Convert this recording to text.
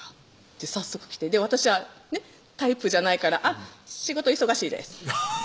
って早速来て私はタイプじゃないから「あっ仕事忙しいです」